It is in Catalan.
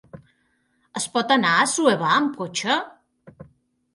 Es pot anar a Assuévar amb cotxe?